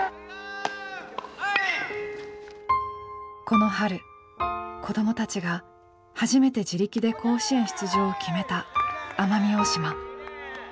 この春子どもたちが初めて自力で甲子園出場を決めた奄美大島。